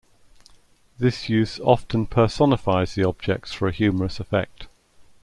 This use often personifies the objects for a humorous effect.